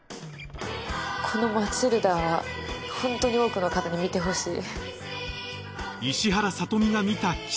この『マチルダ』はホントに多くの方に見てほしい。